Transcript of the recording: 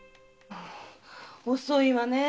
遅いわねえ。